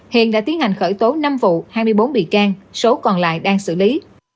hiện đã tiến hành khởi tố năm vụ hai mươi bốn bị can số còn lại đang xử lý